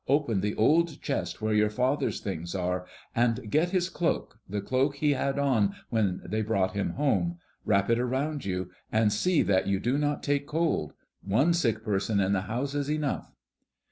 Open the old chest where your father's things are, and get his cloak, the cloak he had on when they brought him home. Wrap it around you, and see that you do not take cold. One sick person in the house is enough."